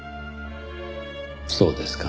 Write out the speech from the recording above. そうですか。